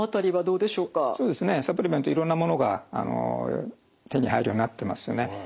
いろんなものが手に入るようになってますよね。